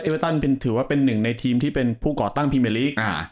เวตันถือว่าเป็นหนึ่งในทีมที่เป็นผู้ก่อตั้งพรีเมอร์ลีก